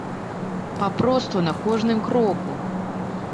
Папросту на кожным кроку.